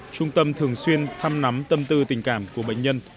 trung tâm thường xuyên thăm nắm tâm tư tình cảm của bệnh nhân